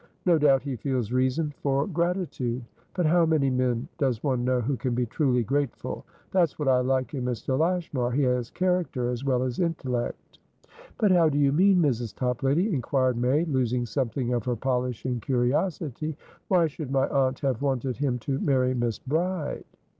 No doubt he feels reason for gratitude; but how many men does one know who can be truly grateful? That's what I like in Mr. Lashmar; he has character as well as intellect." "But how do you mean, Mrs. Toplady?" inquired May, losing something of her polish in curiosity. "Why should my aunt have wanted him to marry Miss Bride?"